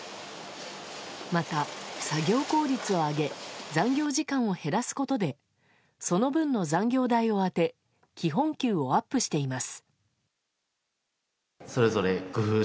また、作業効率を上げ残業時間を減らすことでその分の残業代を充て基本給をアップしています。